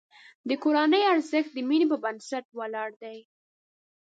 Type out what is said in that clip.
د کورنۍ ارزښت د مینې په بنسټ ولاړ دی.